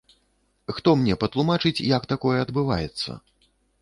Хто мне патлумачыць, як такое адбываецца?